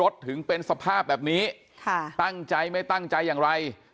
ถึงเป็นสภาพแบบนี้ค่ะตั้งใจไม่ตั้งใจอย่างไร